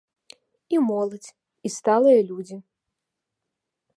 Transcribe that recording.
І моладзь, і сталыя людзі.